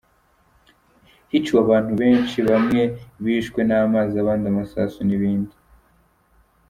Hiciwe abantu benshi, bamwe bishwe n’amazi abandi amasasu n’ibindi.